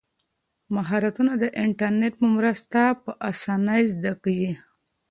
مهارتونه د انټرنیټ په مرسته په اسانۍ زده کیږي.